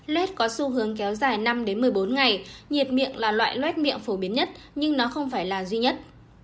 luet có xu hướng kéo dài năm một mươi bốn ngày nhiệt miệng là loại loét miệng phổ biến nhất nhưng nó không phải là duy nhất